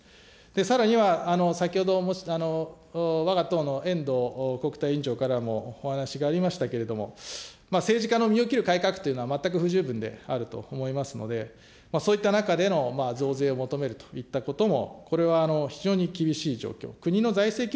さらには、先ほど、わが党のえんどう国対委員長からもお話がありましたけれども、政治家の身を切る改革というのは全く不十分であると思いますので、そういった中での増税を求めるといったことも、これは非常に厳しい状況。